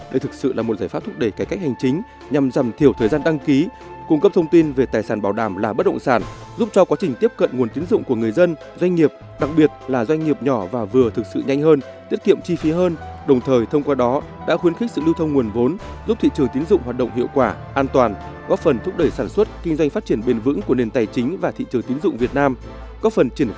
đây thực sự là một giải pháp thúc đẩy cải cách hành chính nhằm giảm thiểu thời gian đăng ký cung cấp thông tin về tài sản bảo đảm là bất động sản giúp cho quá trình tiếp cận nguồn tín dụng của người dân doanh nghiệp đặc biệt là doanh nghiệp nhỏ và vừa thực sự nhanh hơn tiết kiệm chi phí hơn đồng thời thông qua đó đã khuyến khích sự lưu thông nguồn vốn giúp thị trường tín dụng hoạt động hiệu quả an toàn góp phần thúc đẩy sản xuất kinh doanh phát triển bền vững của nền tài chính và thị trường tín dụng việt nam góp phần triển